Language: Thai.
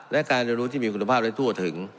และการเรียนรู้ที่มีคุณภาพและทั่วถึง